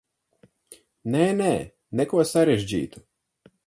Nē, nē, neko sarežģītu.